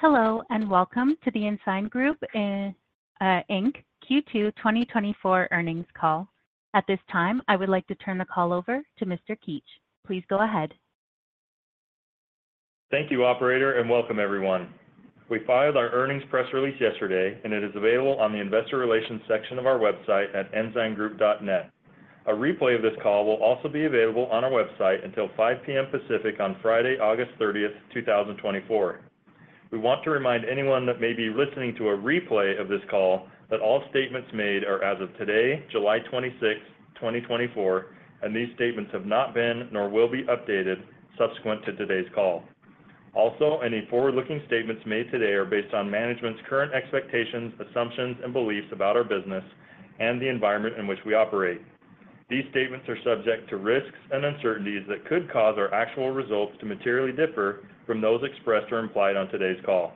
Hello and welcome to The Ensign Group, Inc. Q2 2024 Earnings Call. At this time, I would like to turn the call over to Mr. Keetch. Please go ahead. Thank you, Operator, and welcome, everyone. We filed our earnings press release yesterday, and it is available on the Investor Relations section of our website at ensigngroup.net. A replay of this call will also be available on our website until 5:00 P.M. Pacific on Friday, August 30th, 2024. We want to remind anyone that may be listening to a replay of this call that all statements made are as of today, July 26th, 2024, and these statements have not been nor will be updated subsequent to today's call. Also, any forward-looking statements made today are based on management's current expectations, assumptions, and beliefs about our business and the environment in which we operate. These statements are subject to risks and uncertainties that could cause our actual results to materially differ from those expressed or implied on today's call.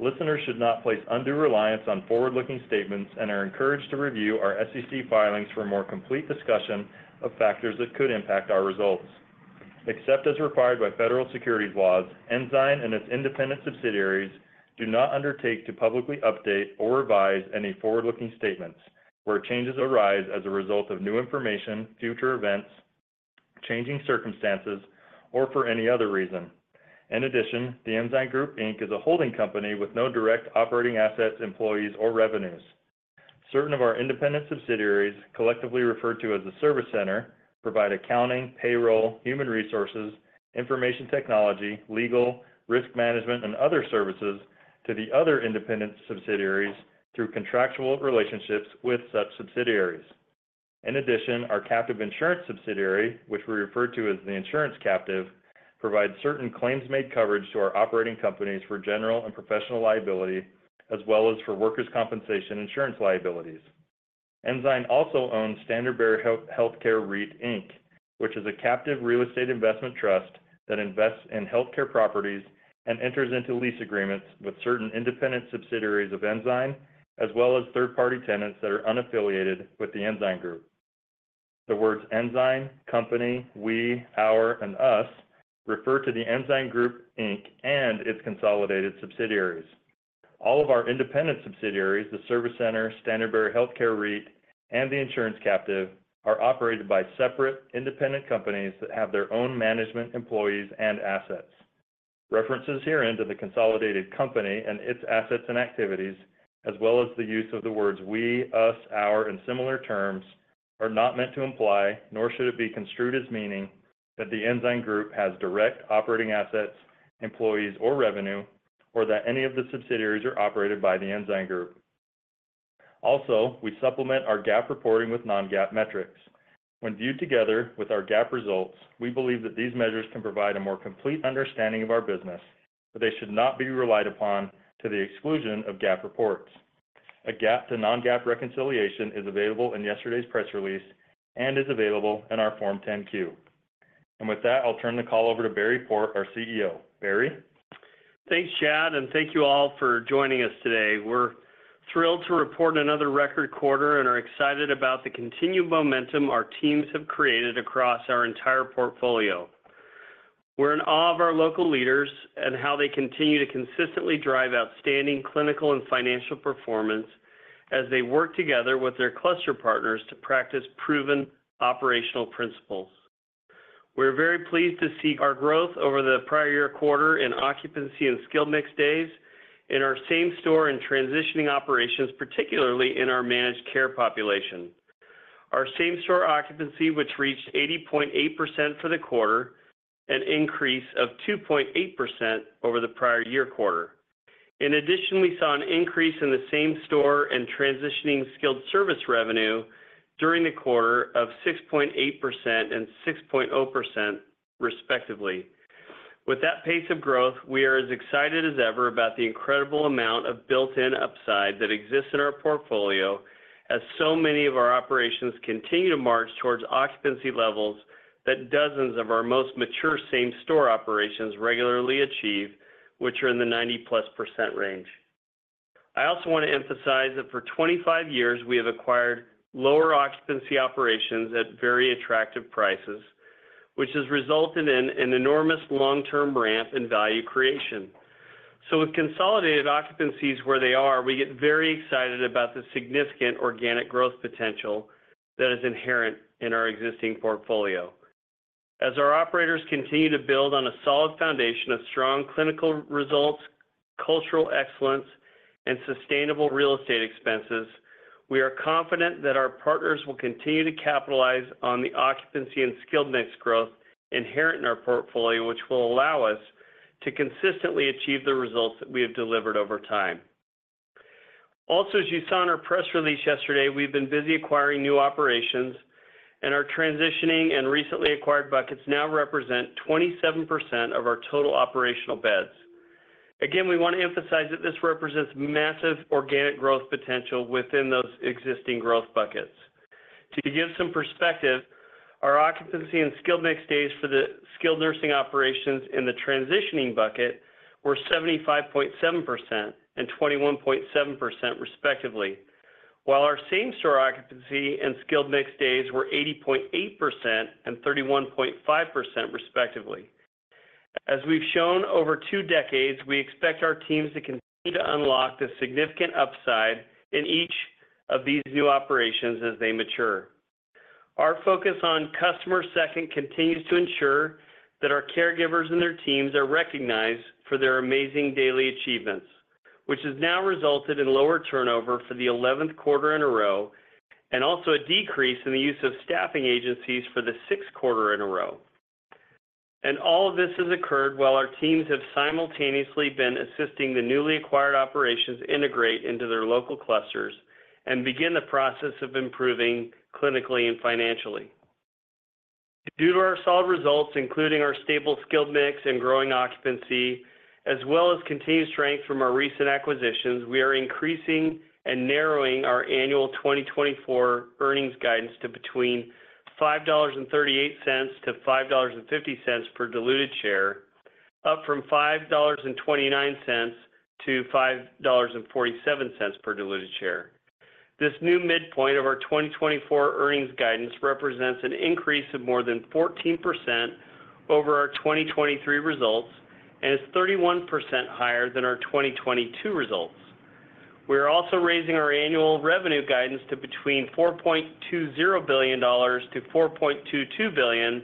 Listeners should not place undue reliance on forward-looking statements and are encouraged to review our SEC filings for a more complete discussion of factors that could impact our results. Except as required by federal securities laws, Ensign and its independent subsidiaries do not undertake to publicly update or revise any forward-looking statements where changes arise as a result of new information, future events, changing circumstances, or for any other reason. In addition, The Ensign Group, Inc. is a holding company with no direct operating assets, employees, or revenues. Certain of our independent subsidiaries, collectively referred to as The Service Center, provide accounting, payroll, human resources, information technology, legal, risk management, and other services to the other independent subsidiaries through contractual relationships with such subsidiaries. In addition, our captive insurance subsidiary, which we refer to as the Insurance Captive, provides certain claims-made coverage to our operating companies for general and professional liability as well as for workers' compensation insurance liabilities. Ensign also owns Standard Bearer Healthcare REIT, Inc., which is a captive real estate investment trust that invests in healthcare properties and enters into lease agreements with certain independent subsidiaries of Ensign as well as third-party tenants that are unaffiliated with the Ensign Group. The words Ensign, Company, We, Our, and Us refer to the Ensign Group, Inc. and its consolidated subsidiaries. All of our independent subsidiaries, the Service Center, Standard Bearer Healthcare REIT, and the Insurance Captive are operated by separate independent companies that have their own management, employees, and assets. References herein to the consolidated company and its assets and activities, as well as the use of the words we, us, our, and similar terms, are not meant to imply, nor should it be construed as meaning that the Ensign Group has direct operating assets, employees, or revenue, or that any of the subsidiaries are operated by the Ensign Group. Also, we supplement our GAAP reporting with non-GAAP metrics. When viewed together with our GAAP results, we believe that these measures can provide a more complete understanding of our business, but they should not be relied upon to the exclusion of GAAP reports. A GAAP to non-GAAP reconciliation is available in yesterday's press release and is available in our Form 10-Q. With that, I'll turn the call over to Barry Port, our CEO. Barry? Thanks, Chad, and thank you all for joining us today. We're thrilled to report another record quarter and are excited about the continued momentum our teams have created across our entire portfolio. We're in awe of our local leaders and how they continue to consistently drive outstanding clinical and financial performance as they work together with their cluster partners to practice proven operational principles. We're very pleased to see our growth over the prior year quarter in occupancy and skilled mix days in our same store and transitioning operations, particularly in our managed care population. Our same store occupancy, which reached 80.8% for the quarter, an increase of 2.8% over the prior year quarter. In addition, we saw an increase in the same store and transitioning skilled service revenue during the quarter of 6.8% and 6.0%, respectively. With that pace of growth, we are as excited as ever about the incredible amount of built-in upside that exists in our portfolio as so many of our operations continue to march towards occupancy levels that dozens of our most mature same-store operations regularly achieve, which are in the 90%+ range. I also want to emphasize that for 25 years, we have acquired lower occupancy operations at very attractive prices, which has resulted in an enormous long-term ramp in value creation. So with consolidated occupancies where they are, we get very excited about the significant organic growth potential that is inherent in our existing portfolio. As our operators continue to build on a solid foundation of strong clinical results, cultural excellence, and sustainable real estate expenses, we are confident that our partners will continue to capitalize on the occupancy and skilled mix growth inherent in our portfolio, which will allow us to consistently achieve the results that we have delivered over time. Also, as you saw in our press release yesterday, we've been busy acquiring new operations, and our transitioning and recently acquired buckets now represent 27% of our total operational beds. Again, we want to emphasize that this represents massive organic growth potential within those existing growth buckets. To give some perspective, our occupancy and skilled mix days for the skilled nursing operations in the transitioning bucket were 75.7% and 21.7%, respectively, while our same-store occupancy and skilled mix days were 80.8% and 31.5%, respectively. As we've shown over two decades, we expect our teams to continue to unlock the significant upside in each of these new operations as they mature. Our focus on Customer Second continues to ensure that our caregivers and their teams are recognized for their amazing daily achievements, which has now resulted in lower turnover for the 11th quarter in a row and also a decrease in the use of staffing agencies for the 6th quarter in a row. All of this has occurred while our teams have simultaneously been assisting the newly acquired operations integrate into their local clusters and begin the process of improving clinically and financially. Due to our solid results, including our stable skilled mix and growing occupancy, as well as continued strength from our recent acquisitions, we are increasing and narrowing our annual 2024 earnings guidance to between $5.38-$5.50 per diluted share, up from $5.29-$5.47 per diluted share. This new midpoint of our 2024 earnings guidance represents an increase of more than 14% over our 2023 results and is 31% higher than our 2022 results. We are also raising our annual revenue guidance to between $4.20 billion-$4.22 billion,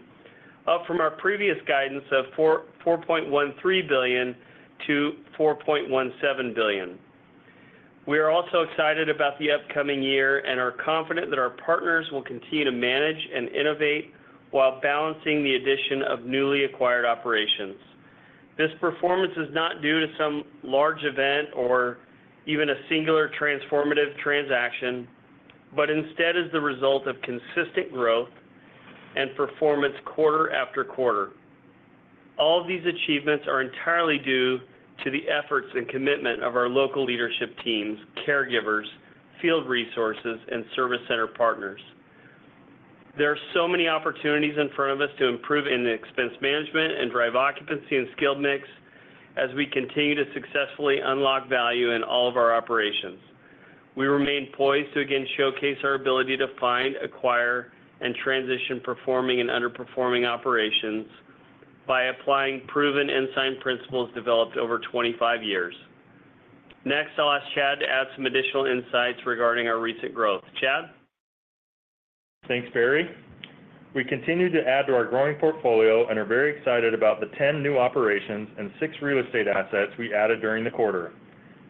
up from our previous guidance of $4.13 billion-$4.17 billion. We are also excited about the upcoming year and are confident that our partners will continue to manage and innovate while balancing the addition of newly acquired operations. This performance is not due to some large event or even a singular transformative transaction, but instead is the result of consistent growth and performance quarter after quarter. All of these achievements are entirely due to the efforts and commitment of our local leadership teams, caregivers, field resources, and service center partners. There are so many opportunities in front of us to improve in the expense management and drive occupancy and skill mix as we continue to successfully unlock value in all of our operations. We remain poised to again showcase our ability to find, acquire, and transition performing and underperforming operations by applying proven Ensign principles developed over 25 years. Next, I'll ask Chad to add some additional insights regarding our recent growth. Chad? Thanks, Barry. We continue to add to our growing portfolio and are very excited about the 10 new operations and six real estate assets we added during the quarter,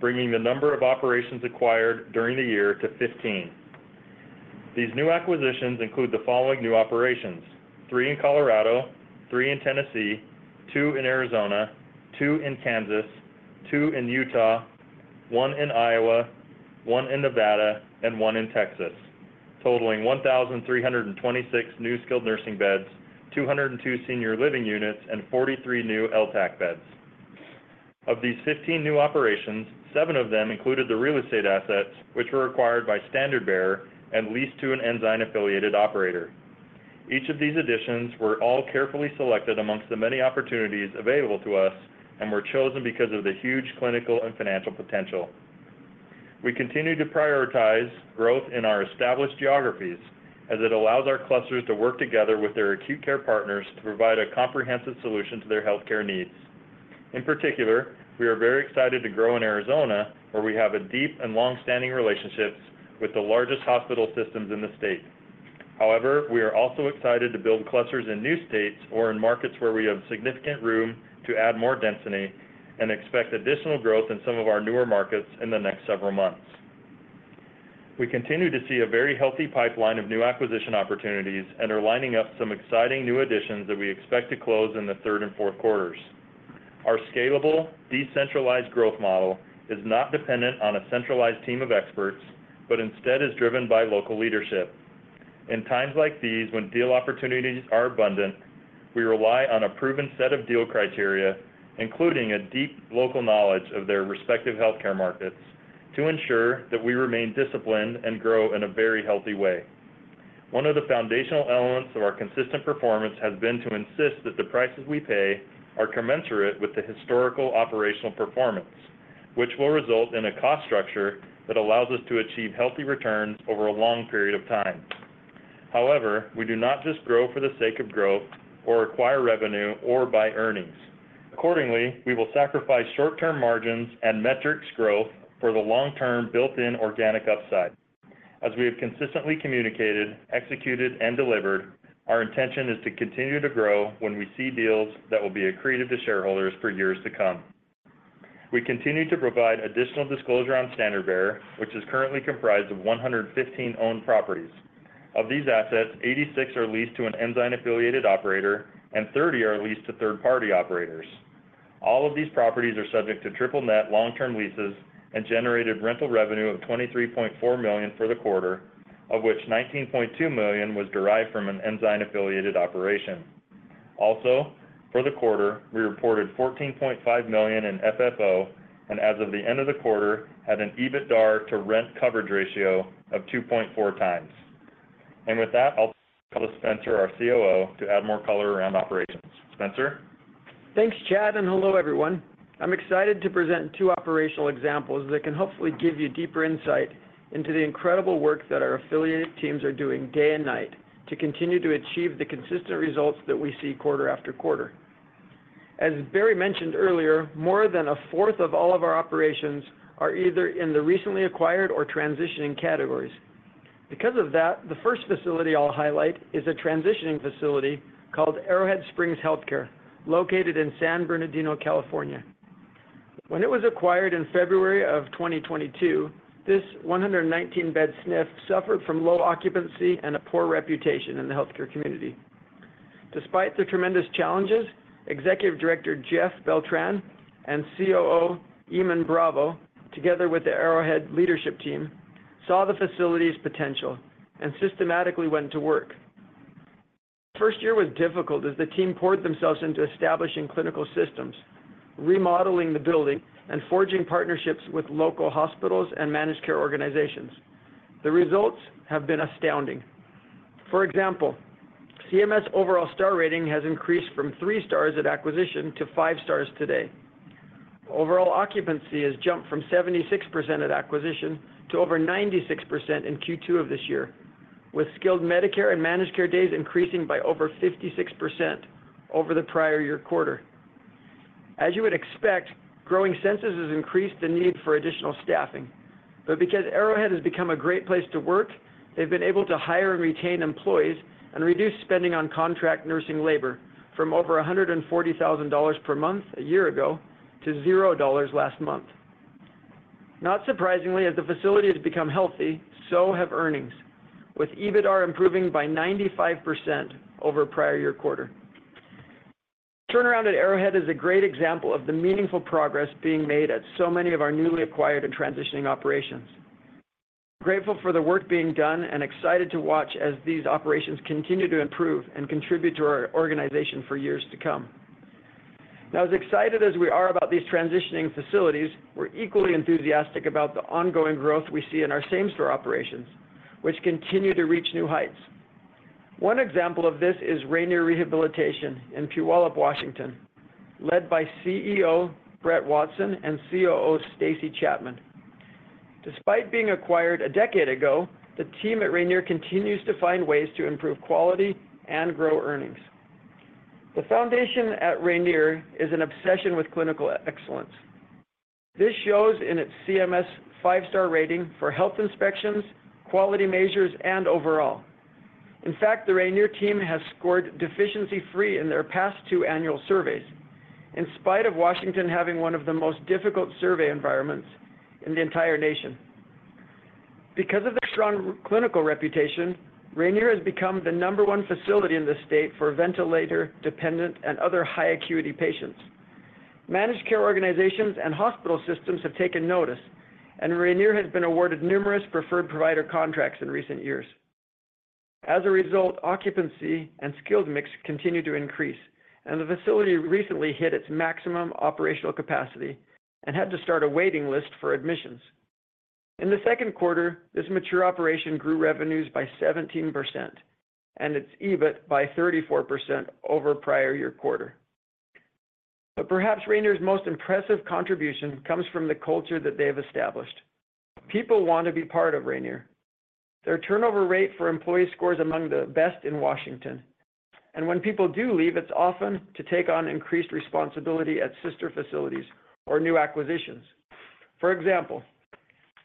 bringing the number of operations acquired during the year to 15. These new acquisitions include the following new operations: three in Colorado, two in Tennessee, two in Arizona, two in Kansas, two in Utah, one in Iowa, one in Nevada, and one in Texas, totaling 1,326 new skilled nursing beds, 202 senior living units, and 43 new LTAC beds. Of these 15 new operations, seven of them included the real estate assets, which were acquired by Standard Bearer and leased to an Ensign-affiliated operator. Each of these additions were all carefully selected amongst the many opportunities available to us and were chosen because of the huge clinical and financial potential. We continue to prioritize growth in our established geographies as it allows our clusters to work together with their acute care partners to provide a comprehensive solution to their healthcare needs. In particular, we are very excited to grow in Arizona, where we have a deep and long-standing relationship with the largest hospital systems in the state. However, we are also excited to build clusters in new states or in markets where we have significant room to add more density and expect additional growth in some of our newer markets in the next several months. We continue to see a very healthy pipeline of new acquisition opportunities and are lining up some exciting new additions that we expect to close in the third and fourth quarters. Our scalable, decentralized growth model is not dependent on a centralized team of experts, but instead is driven by local leadership. In times like these, when deal opportunities are abundant, we rely on a proven set of deal criteria, including a deep local knowledge of their respective healthcare markets, to ensure that we remain disciplined and grow in a very healthy way. One of the foundational elements of our consistent performance has been to insist that the prices we pay are commensurate with the historical operational performance, which will result in a cost structure that allows us to achieve healthy returns over a long period of time. However, we do not just grow for the sake of growth or acquire revenue or buy earnings. Accordingly, we will sacrifice short-term margins and metrics growth for the long-term built-in organic upside. As we have consistently communicated, executed, and delivered, our intention is to continue to grow when we see deals that will be accretive to shareholders for years to come. We continue to provide additional disclosure on Standard Bearer, which is currently comprised of 115 owned properties. Of these assets, 86 are leased to an Ensign-affiliated operator and 30 are leased to third-party operators. All of these properties are subject to triple-net long-term leases and generated rental revenue of $23.4 million for the quarter, of which $19.2 million was derived from an Ensign-affiliated operation. Also, for the quarter, we reported $14.5 million in FFO and, as of the end of the quarter, had an EBITDA to rent coverage ratio of 2.4x. With that, I'll call Spencer, our COO, to add more color around operations. Spencer? Thanks, Chad, and hello, everyone. I'm excited to present two operational examples that can hopefully give you deeper insight into the incredible work that our affiliated teams are doing day and night to continue to achieve the consistent results that we see quarter after quarter. As Barry mentioned earlier, more than a fourth of all of our operations are either in the recently acquired or transitioning categories. Because of that, the first facility I'll highlight is a transitioning facility called Arrowhead Springs Healthcare, located in San Bernardino, California. When it was acquired in February of 2022, this 119-bed SNF suffered from low occupancy and a poor reputation in the healthcare community. Despite the tremendous challenges, Executive Director Jeff Beltran and COO Iman Bravo, together with the Arrowhead leadership team, saw the facility's potential and systematically went to work. The first year was difficult as the team poured themselves into establishing clinical systems, remodeling the building, and forging partnerships with local hospitals and managed care organizations. The results have been astounding. For example, CMS overall Star Rating has increased from 3 stars at acquisition to 5 stars today. Overall occupancy has jumped from 76% at acquisition to over 96% in Q2 of this year, with skilled Medicare and managed care days increasing by over 56% over the prior year quarter. As you would expect, growing census has increased the need for additional staffing. But because Arrowhead has become a great place to work, they've been able to hire and retain employees and reduce spending on contract nursing labor from over $140,000 per month a year ago to $0 last month. Not surprisingly, as the facility has become healthy, so have earnings, with EBITDA improving by 95% over prior year quarter. Turnaround at Arrowhead is a great example of the meaningful progress being made at so many of our newly acquired and transitioning operations. Grateful for the work being done and excited to watch as these operations continue to improve and contribute to our organization for years to come. Now, as excited as we are about these transitioning facilities, we're equally enthusiastic about the ongoing growth we see in our same-store operations, which continue to reach new heights. One example of this is Rainier Rehabilitation in Puyallup, Washington, led by CEO Brett Watson and COO Stacy Chapman. Despite being acquired a decade ago, the team at Rainier continues to find ways to improve quality and grow earnings. The foundation at Rainier is an obsession with clinical excellence. This shows in its CMS 5-star rating for health inspections, quality measures, and overall. In fact, the Rainier team has scored deficiency-free in their past two annual surveys, in spite of Washington having one of the most difficult survey environments in the entire nation. Because of their strong clinical reputation, Rainier has become the number one facility in the state for ventilator-dependent and other high acuity patients. Managed care organizations and hospital systems have taken notice, and Rainier has been awarded numerous preferred provider contracts in recent years. As a result, occupancy and skilled mix continue to increase, and the facility recently hit its maximum operational capacity and had to start a waiting list for admissions. In the second quarter, this mature operation grew revenues by 17% and its EBIT by 34% over prior year quarter. But perhaps Rainier's most impressive contribution comes from the culture that they have established. People want to be part of Rainier. Their turnover rate for employees scores among the best in Washington. And when people do leave, it's often to take on increased responsibility at sister facilities or new acquisitions. For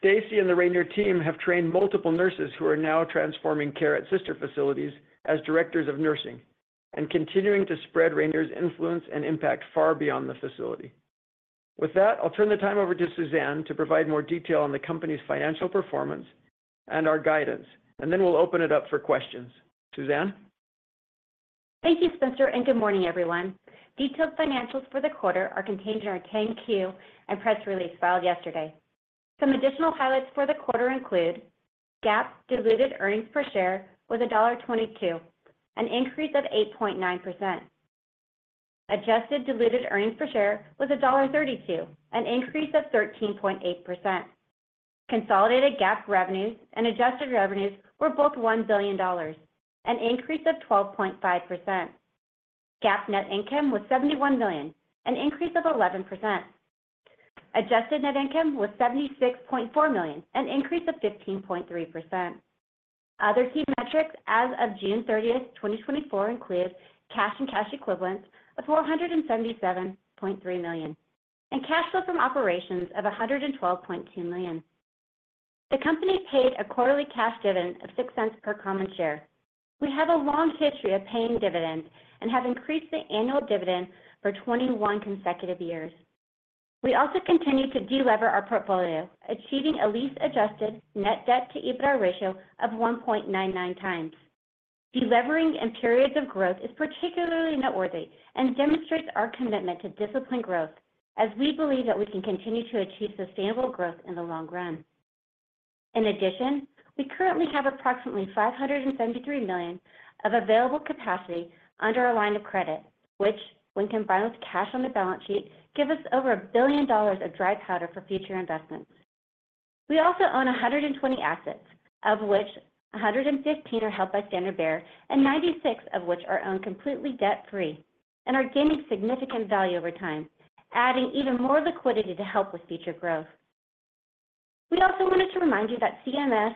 example, Stacy and the Rainier team have trained multiple nurses who are now transforming care at sister facilities as directors of nursing and continuing to spread Rainier's influence and impact far beyond the facility. With that, I'll turn the time over to Suzanne to provide more detail on the company's financial performance and our guidance, and then we'll open it up for questions. Suzanne? Thank you, Spencer, and good morning, everyone. Detailed financials for the quarter are contained in our 10-Q and press release filed yesterday. Some additional highlights for the quarter include GAAP diluted earnings per share with $1.22, an increase of 8.9%. Adjusted diluted earnings per share was $1.32, an increase of 13.8%. Consolidated GAAP revenues and adjusted revenues were both $1 billion, an increase of 12.5%. GAAP net income was $71 million, an increase of 11%. Adjusted net income was $76.4 million, an increase of 15.3%. Other key metrics as of June 30th, 2024, include cash and cash equivalents of $477.3 million and cash flow from operations of $112.2 million. The company paid a quarterly cash dividend of $0.06 per common share. We have a long history of paying dividends and have increased the annual dividend for 21 consecutive years. We also continue to delever our portfolio, achieving lease adjusted net debt to EBITDA ratio of 1.99x. Delevering in periods of growth is particularly noteworthy and demonstrates our commitment to disciplined growth, as we believe that we can continue to achieve sustainable growth in the long run. In addition, we currently have approximately $573 million of available capacity under a line of credit, which, when combined with cash on the balance sheet, gives us over $1 billion of dry powder for future investments. We also own 120 assets, of which 115 are held by Standard Bearer and 96 of which are owned completely debt-free, and are gaining significant value over time, adding even more liquidity to help with future growth. We also wanted to remind you that CMS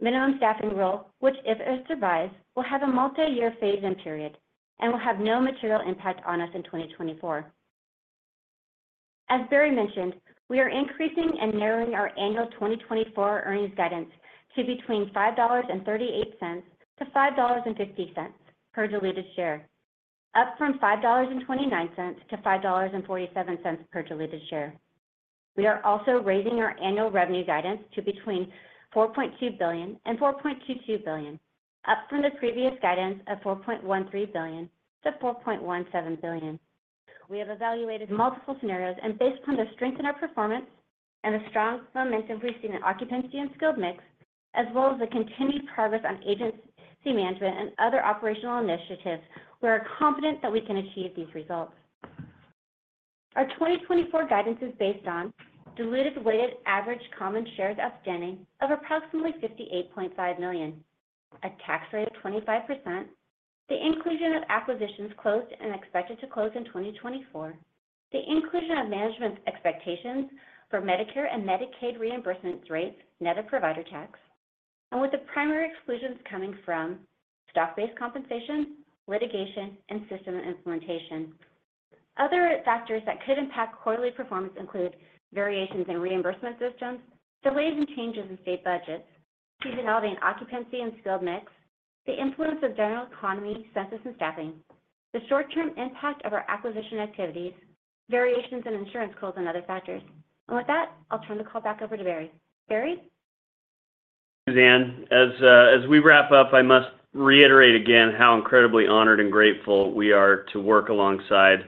minimum staffing rule, which, if it survives, will have a multi-year phase-in period and will have no material impact on us in 2024. As Barry mentioned, we are increasing and narrowing our annual 2024 earnings guidance to between $5.38-$5.50 per diluted share, up from $5.29-$5.47 per diluted share. We are also raising our annual revenue guidance to between $4.2 billion-$4.22 billion, up from the previous guidance of $4.13 billion-$4.17 billion. We have evaluated multiple scenarios, and based upon the strength in our performance and the strong momentum we've seen in occupancy and skilled mix, as well as the continued progress on agency management and other operational initiatives, we are confident that we can achieve these results. Our 2024 guidance is based on diluted weighted average common shares outstanding of approximately $58.5 million, a tax rate of 25%, the inclusion of acquisitions closed and expected to close in 2024, the inclusion of management expectations for Medicare and Medicaid reimbursement rates, net of provider tax, and with the primary exclusions coming from stock-based compensation, litigation, and system implementation. Other factors that could impact quarterly performance include variations in reimbursement systems, delays and changes in state budgets, seasonality in occupancy and skilled mix, the influence of general economy, census, and staffing, the short-term impact of our acquisition activities, variations in insurance codes, and other factors. With that, I'll turn the call back over to Barry. Barry? Suzanne, as we wrap up, I must reiterate again how incredibly honored and grateful we are to work alongside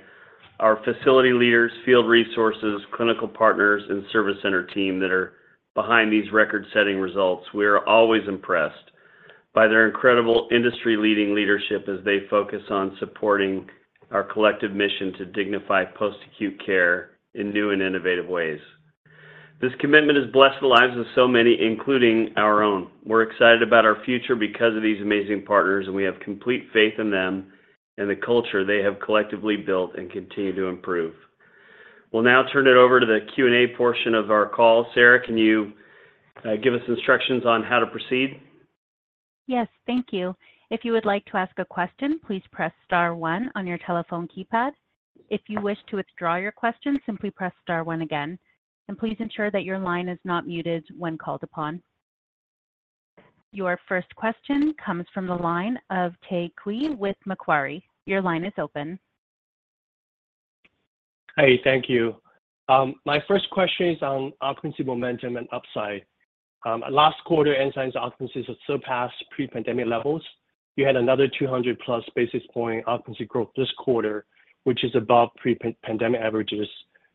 our facility leaders, field resources, clinical partners, and service center team that are behind these record-setting results. We are always impressed by their incredible industry-leading leadership as they focus on supporting our collective mission to dignify post-acute care in new and innovative ways. This commitment has blessed the lives of so many, including our own. We're excited about our future because of these amazing partners, and we have complete faith in them and the culture they have collectively built and continue to improve. We'll now turn it over to the Q&A portion of our call. Sarah, can you give us instructions on how to proceed? Yes, thank you. If you would like to ask a question, please press star one on your telephone keypad. If you wish to withdraw your question, simply press star one again. Please ensure that your line is not muted when called upon. Your first question comes from the line of Tao Qiu with Macquarie. Your line is open. Hey, thank you. My first question is on occupancy momentum and upside. Last quarter, Ensign's occupancies have surpassed pre-pandemic levels. You had another 200+ basis points occupancy growth this quarter, which is above pre-pandemic averages.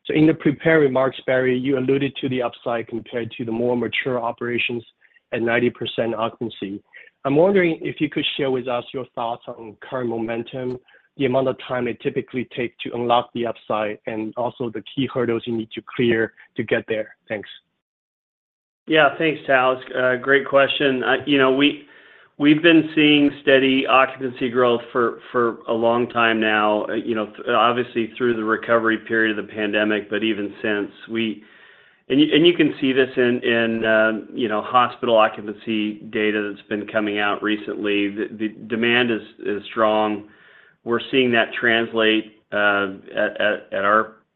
So in the prepared remarks, Barry, you alluded to the upside compared to the more mature operations at 90% occupancy. I'm wondering if you could share with us your thoughts on current momentum, the amount of time it typically takes to unlock the upside, and also the key hurdles you need to clear to get there. Thanks. Yeah, thanks, Tao. Great question. We've been seeing steady occupancy growth for a long time now, obviously through the recovery period of the pandemic, but even since. And you can see this in hospital occupancy data that's been coming out recently. The demand is strong. We're seeing that translate at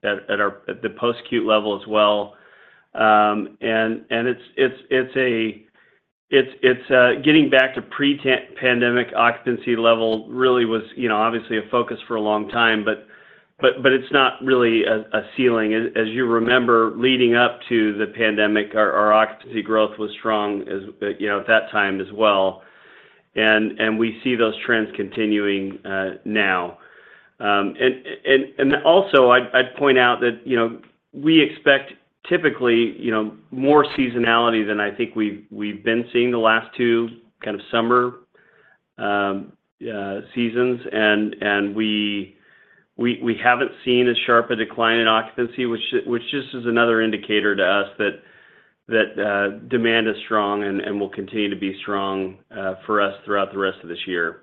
the post-acute level as well. And it's getting back to pre-pandemic occupancy level really was obviously a focus for a long time, but it's not really a ceiling. As you remember, leading up to the pandemic, our occupancy growth was strong at that time as well. And we see those trends continuing now. And also, I'd point out that we expect typically more seasonality than I think we've been seeing the last two kind of summer seasons. We haven't seen a sharp decline in occupancy, which just is another indicator to us that demand is strong and will continue to be strong for us throughout the rest of this year.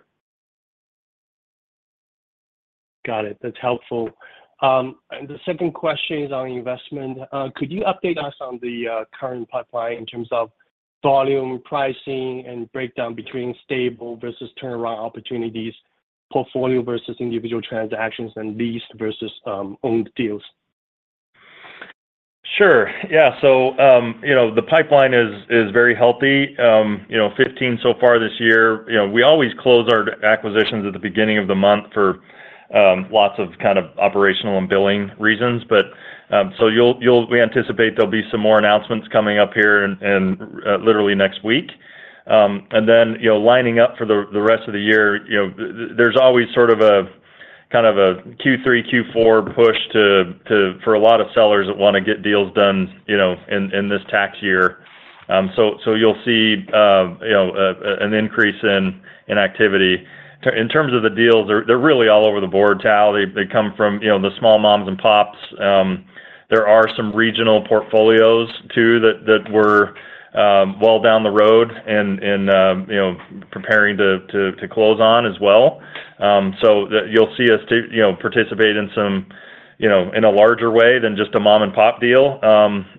Got it. That's helpful. The second question is on investment. Could you update us on the current pipeline in terms of volume, pricing, and breakdown between stable versus turnaround opportunities, portfolio versus individual transactions, and leased versus owned deals? Sure. Yeah. So the pipeline is very healthy. 15 so far this year. We always close our acquisitions at the beginning of the month for lots of kind of operational and billing reasons. So we anticipate there'll be some more announcements coming up here literally next week. And then lining up for the rest of the year, there's always sort of a kind of a Q3, Q4 push for a lot of sellers that want to get deals done in this tax year. So you'll see an increase in activity. In terms of the deals, they're really all over the board, Tao. They come from the small moms and pops. There are some regional portfolios too that were well down the road and preparing to close on as well. So you'll see us participate in a larger way than just a mom-and-pop deal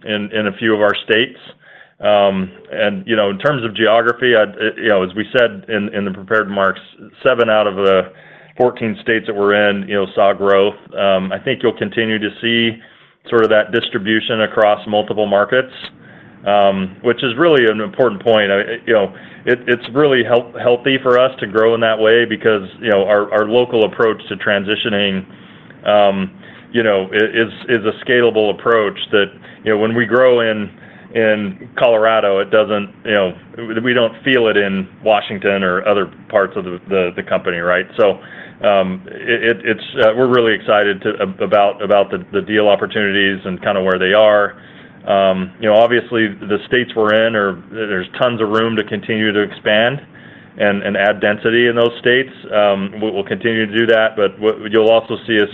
in a few of our states. In terms of geography, as we said in the prepared remarks, seven out of the 14 states that we're in saw growth. I think you'll continue to see sort of that distribution across multiple markets, which is really an important point. It's really healthy for us to grow in that way because our local approach to transitioning is a scalable approach that when we grow in Colorado, we don't feel it in Washington or other parts of the company, right? We're really excited about the deal opportunities and kind of where they are. Obviously, the states we're in, there's tons of room to continue to expand and add density in those states. We'll continue to do that. You'll also see us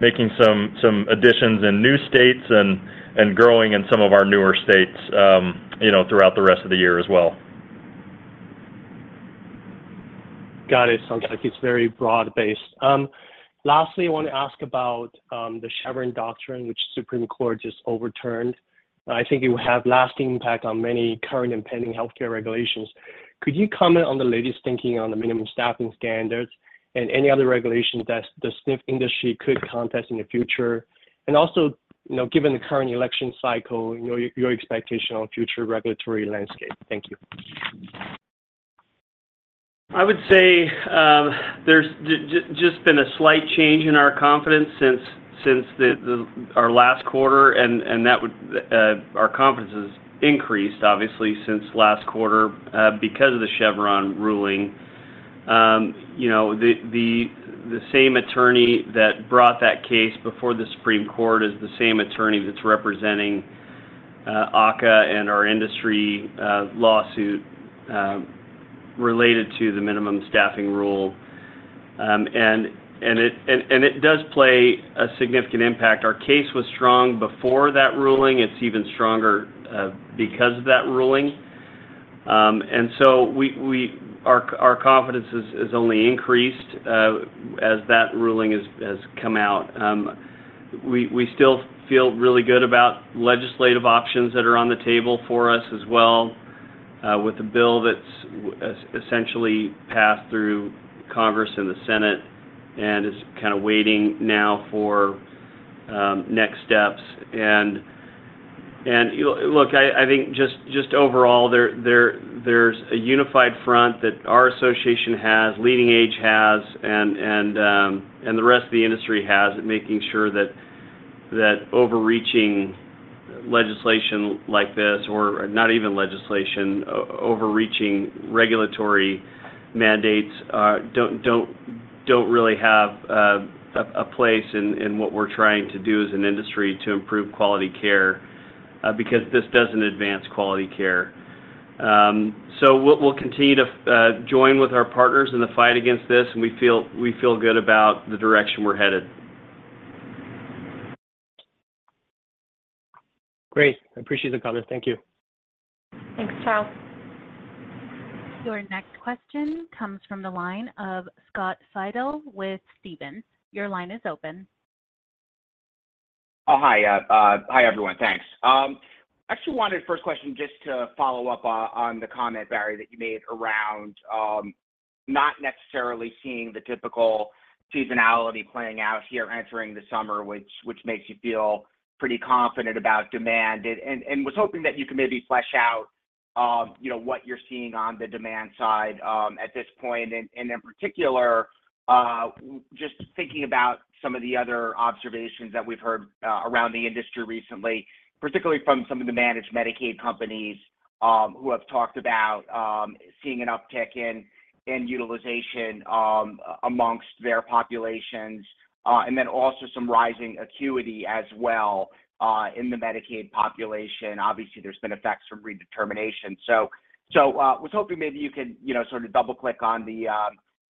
making some additions in new states and growing in some of our newer states throughout the rest of the year as well. Got it. Sounds like it's very broad-based. Lastly, I want to ask about the Chevron doctrine, which the Supreme Court just overturned. I think it will have lasting impact on many current and pending healthcare regulations. Could you comment on the latest thinking on the minimum staffing standards and any other regulations that the SNF industry could contest in the future? And also, given the current election cycle, your expectation on future regulatory landscape? Thank you. I would say there's just been a slight change in our confidence since our last quarter, and our confidence has increased, obviously, since last quarter because of the Chevron ruling. The same attorney that brought that case before the Supreme Court is the same attorney that's representing AHCA and our industry lawsuit related to the minimum staffing rule. It does play a significant impact. Our case was strong before that ruling. It's even stronger because of that ruling. So our confidence has only increased as that ruling has come out. We still feel really good about legislative options that are on the table for us as well, with a bill that's essentially passed through Congress and the Senate and is kind of waiting now for next steps. Look, I think just overall, there's a unified front that our association has, LeadingAge has, and the rest of the industry has at making sure that overreaching legislation like this, or not even legislation, overreaching regulatory mandates don't really have a place in what we're trying to do as an industry to improve quality care because this doesn't advance quality care. We'll continue to join with our partners in the fight against this, and we feel good about the direction we're headed. Great. I appreciate the comments. Thank you. Thanks, Tao. Your next question comes from the line of Scott Fidel with Stephens. Your line is open. Oh, hi. Hi, everyone. Thanks. Actually wanted first question just to follow up on the comment, Barry, that you made around not necessarily seeing the typical seasonality playing out here entering the summer, which makes you feel pretty confident about demand. And was hoping that you could maybe flesh out what you're seeing on the demand side at this point. And in particular, just thinking about some of the other observations that we've heard around the industry recently, particularly from some of the managed Medicaid companies who have talked about seeing an uptick in utilization amongst their populations, and then also some rising acuity as well in the Medicaid population. Obviously, there's been effects from redetermination. So was hoping maybe you could sort of double-click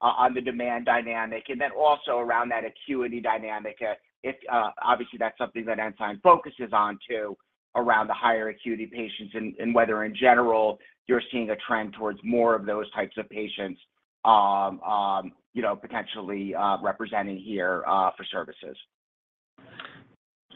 on the demand dynamic. And then also around that acuity dynamic, obviously, that's something that Ensign focuses on too around the higher acuity patients and whether in general you're seeing a trend towards more of those types of patients potentially representing here for services.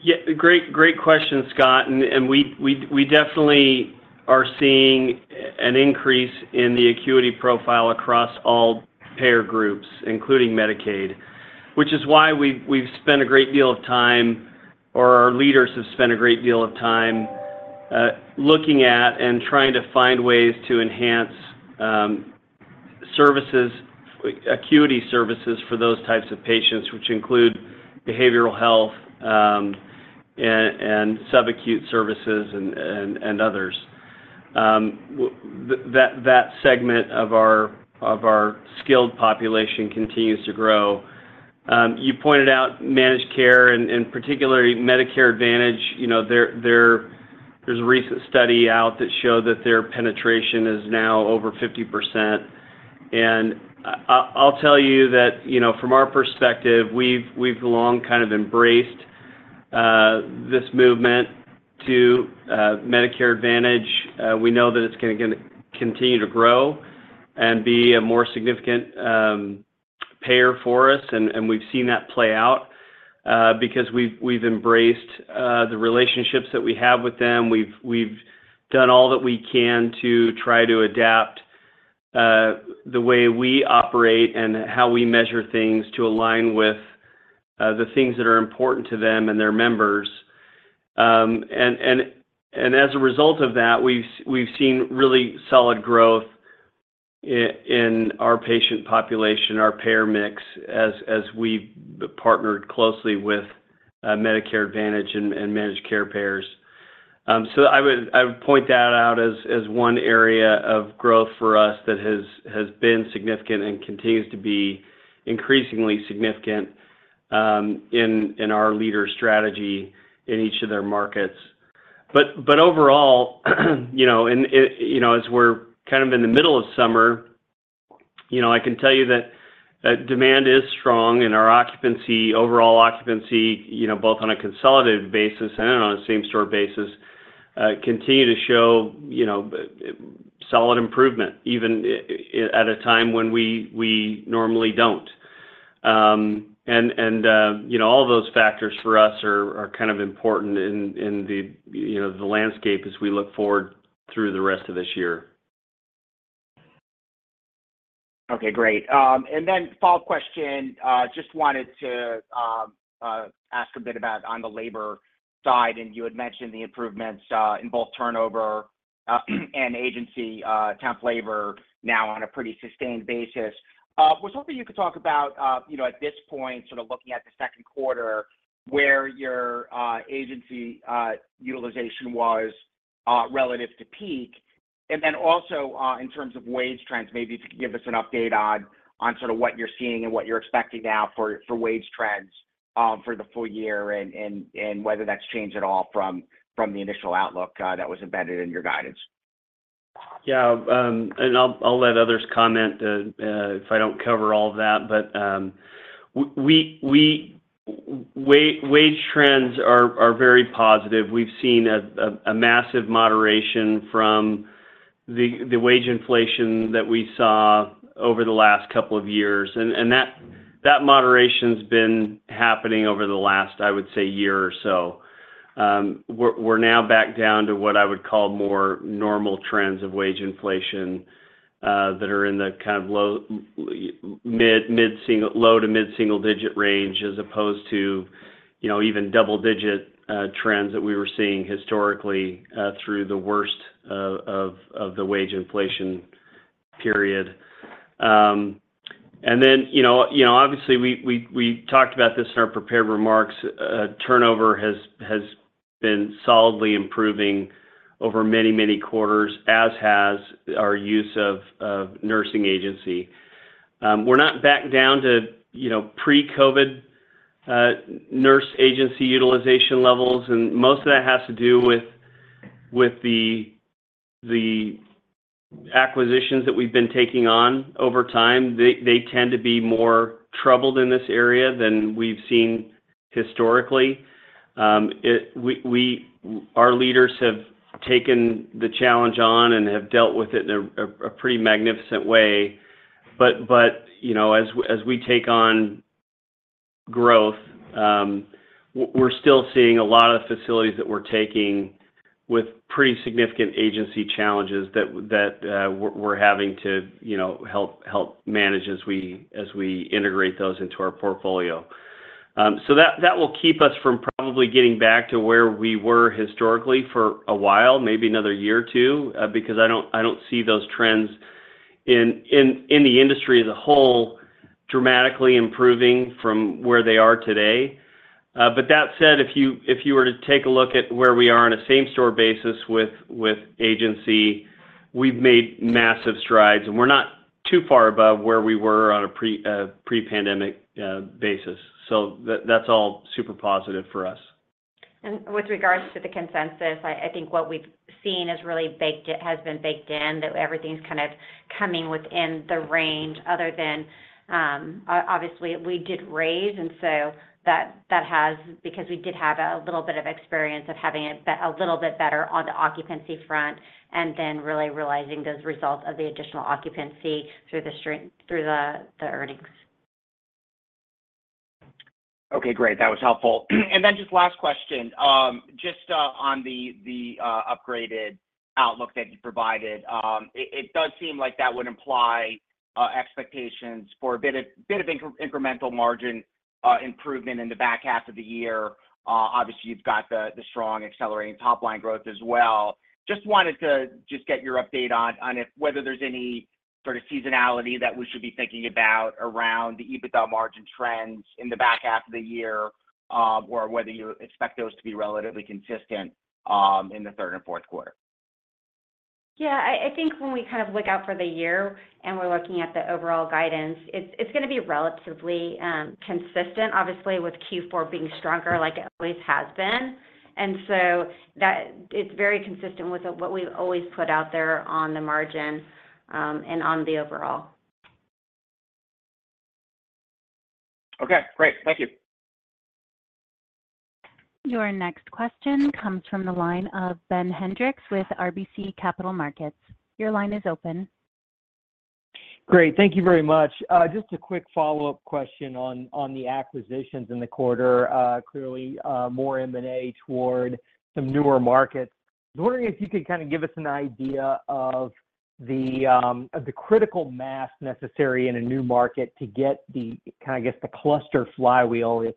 Yeah. Great question, Scott. We definitely are seeing an increase in the acuity profile across all payer groups, including Medicaid, which is why we've spent a great deal of time, or our leaders have spent a great deal of time looking at and trying to find ways to enhance acuity services for those types of patients, which include behavioral health and subacute services and others. That segment of our skilled population continues to grow. You pointed out managed care and particularly Medicare Advantage. There's a recent study out that showed that their penetration is now over 50%. I'll tell you that from our perspective, we've long kind of embraced this movement to Medicare Advantage. We know that it's going to continue to grow and be a more significant payer for us. We've seen that play out because we've embraced the relationships that we have with them. We've done all that we can to try to adapt the way we operate and how we measure things to align with the things that are important to them and their members. And as a result of that, we've seen really solid growth in our patient population, our payer mix, as we've partnered closely with Medicare Advantage and Managed Care payers. So I would point that out as one area of growth for us that has been significant and continues to be increasingly significant in our leader strategy in each of their markets. But overall, as we're kind of in the middle of summer, I can tell you that demand is strong and our overall occupancy, both on a consolidated basis and on a same-store basis, continue to show solid improvement even at a time when we normally don't. All those factors for us are kind of important in the landscape as we look forward through the rest of this year. Okay. Great. Then follow-up question. Just wanted to ask a bit about on the labor side. You had mentioned the improvements in both turnover and agency temp labor now on a pretty sustained basis. Was hoping you could talk about at this point, sort of looking at the second quarter, where your agency utilization was relative to peak. And then also in terms of wage trends, maybe if you could give us an update on sort of what you're seeing and what you're expecting now for wage trends for the full year and whether that's changed at all from the initial outlook that was embedded in your guidance. Yeah. And I'll let others comment if I don't cover all of that. But wage trends are very positive. We've seen a massive moderation from the wage inflation that we saw over the last couple of years. And that moderation has been happening over the last, I would say, year or so. We're now back down to what I would call more normal trends of wage inflation that are in the kind of low- to mid-single-digit range as opposed to even double-digit trends that we were seeing historically through the worst of the wage inflation period. And then obviously, we talked about this in our prepared remarks. Turnover has been solidly improving over many, many quarters, as has our use of nursing agency. We're not back down to pre-COVID nurse agency utilization levels. And most of that has to do with the acquisitions that we've been taking on over time. They tend to be more troubled in this area than we've seen historically. Our leaders have taken the challenge on and have dealt with it in a pretty magnificent way. But as we take on growth, we're still seeing a lot of the facilities that we're taking with pretty significant agency challenges that we're having to help manage as we integrate those into our portfolio. So that will keep us from probably getting back to where we were historically for a while, maybe another year or two, because I don't see those trends in the industry as a whole dramatically improving from where they are today. But that said, if you were to take a look at where we are on a same-store basis with agency, we've made massive strides. And we're not too far above where we were on a pre-pandemic basis. So that's all super positive for us. With regards to the consensus, I think what we've seen has been baked in that everything's kind of coming within the range other than obviously, we did raise. And so that has because we did have a little bit of experience of having it a little bit better on the occupancy front and then really realizing those results of the additional occupancy through the earnings. Okay. Great. That was helpful. And then just last question. Just on the upgraded outlook that you provided, it does seem like that would imply expectations for a bit of incremental margin improvement in the back half of the year. Obviously, you've got the strong accelerating top-line growth as well. Just wanted to just get your update on whether there's any sort of seasonality that we should be thinking about around the EBITDA margin trends in the back half of the year or whether you expect those to be relatively consistent in the third and fourth quarter. Yeah. I think when we kind of look out for the year and we're looking at the overall guidance, it's going to be relatively consistent, obviously, with Q4 being stronger like it always has been. And so it's very consistent with what we've always put out there on the margin and on the overall. Okay. Great. Thank you. Your next question comes from the line of Ben Hendrix with RBC Capital Markets. Your line is open. Great. Thank you very much. Just a quick follow-up question on the acquisitions in the quarter. Clearly, more M&A toward some newer markets. I was wondering if you could kind of give us an idea of the critical mass necessary in a new market to get the, I guess, the cluster flywheel, if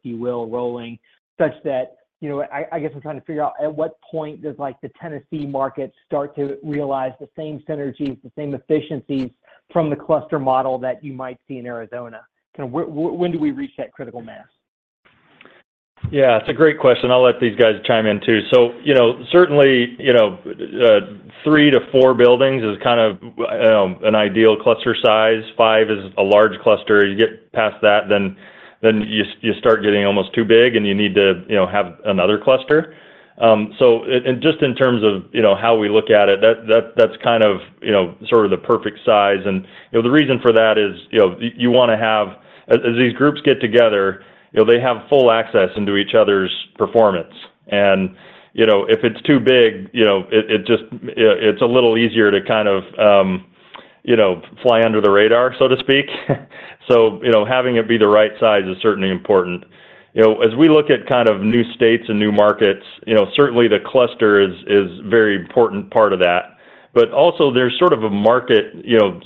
you will, rolling such that I guess I'm trying to figure out at what point does the Tennessee market start to realize the same synergies, the same efficiencies from the cluster model that you might see in Arizona? Kind of when do we reach that critical mass? Yeah. It's a great question. I'll let these guys chime in too. So certainly, 3-4 buildings is kind of an ideal cluster size. Five is a large cluster. You get past that, then you start getting almost too big, and you need to have another cluster. So just in terms of how we look at it, that's kind of sort of the perfect size. And the reason for that is you want to have as these groups get together, they have full access into each other's performance. And if it's too big, it's a little easier to kind of fly under the radar, so to speak. So having it be the right size is certainly important. As we look at kind of new states and new markets, certainly the cluster is a very important part of that. But also, there's sort of a market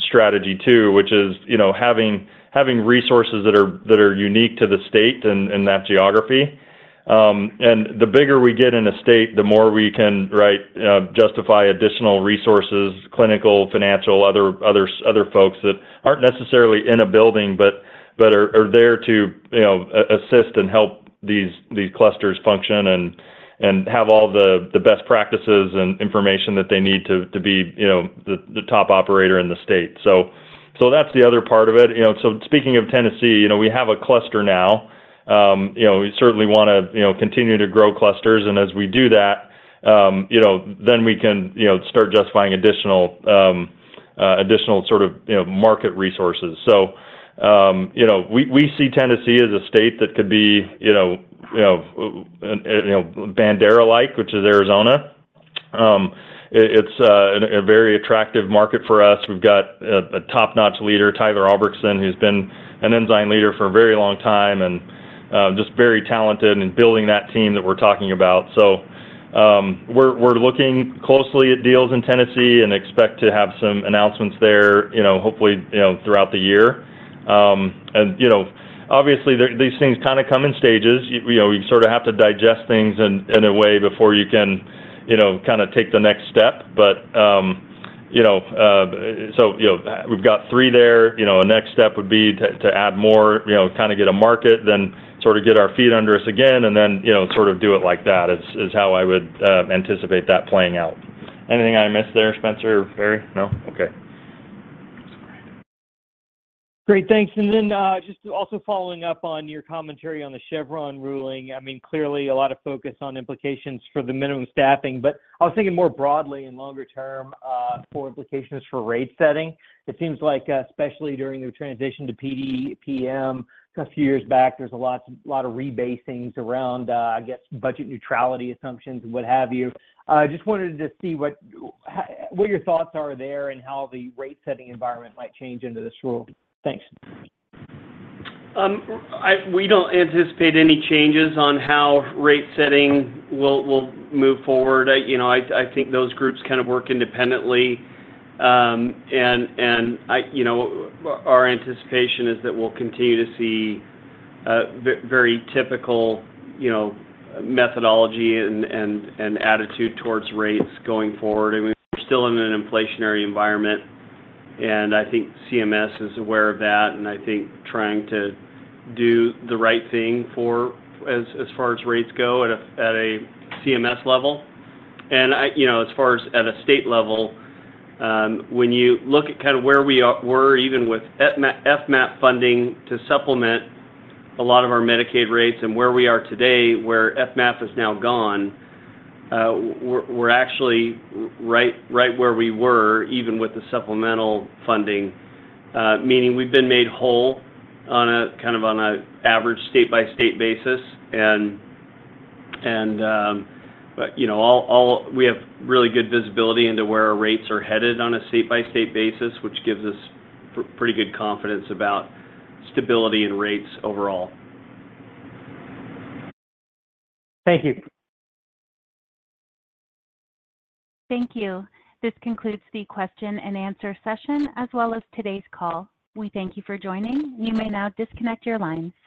strategy too, which is having resources that are unique to the state and that geography. And the bigger we get in a state, the more we can justify additional resources, clinical, financial, other folks that aren't necessarily in a building but are there to assist and help these clusters function and have all the best practices and information that they need to be the top operator in the state. So that's the other part of it. So speaking of Tennessee, we have a cluster now. We certainly want to continue to grow clusters. And as we do that, then we can start justifying additional sort of market resources. So we see Tennessee as a state that could be Bandera-like, which is Arizona. It's a very attractive market for us. We've got a top-notch leader, Tyler Albrechtsen, who's been an Ensign leader for a very long time and just very talented in building that team that we're talking about. So we're looking closely at deals in Tennessee and expect to have some announcements there, hopefully, throughout the year. And obviously, these things kind of come in stages. You sort of have to digest things in a way before you can kind of take the next step. But so we've got three there. A next step would be to add more, kind of get a market, then sort of get our feet under us again, and then sort of do it like that is how I would anticipate that playing out. Anything I missed there, Spencer or Barry? No? Okay. Great. Thanks. And then just also following up on your commentary on the Chevron ruling, I mean, clearly, a lot of focus on implications for the minimum staffing. But I was thinking more broadly and longer term for implications for rate setting. It seems like, especially during the transition to PDPM a few years back, there's a lot of rebasings around, I guess, budget neutrality assumptions and what have you. I just wanted to see what your thoughts are there and how the rate-setting environment might change under this rule. Thanks. We don't anticipate any changes on how rate setting will move forward. I think those groups kind of work independently. Our anticipation is that we'll continue to see very typical methodology and attitude towards rates going forward. I mean, we're still in an inflationary environment. I think CMS is aware of that. I think trying to do the right thing as far as rates go at a CMS level. As far as at a state level, when you look at kind of where we were even with FMAP funding to supplement a lot of our Medicaid rates and where we are today, where FMAP is now gone, we're actually right where we were even with the supplemental funding, meaning we've been made whole kind of on an average state-by-state basis. We have really good visibility into where our rates are headed on a state-by-state basis, which gives us pretty good confidence about stability in rates overall. Thank you. Thank you. This concludes the question-and answer session as well as today's call. We thank you for joining. You may now disconnect your lines.